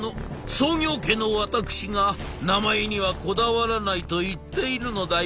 創業家の私が名前にはこだわらないと言っているのだよ」。